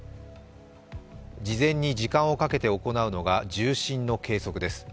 事前に時間をかけて行うのが重心の計測です。